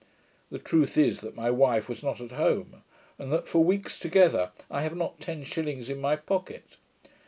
The truth is, that my wife was not at home, and that for weeks together I have not ten shillings in my pocket.